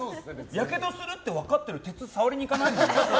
やけどするって分かってる鉄触りにいかないもんね。